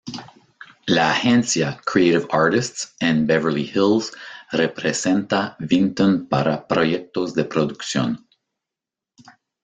La Agencia Creative Artists en Beverly Hills representa Vinton para proyectos de producción.